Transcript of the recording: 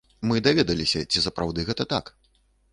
Мы даведаліся, ці сапраўды гэта так.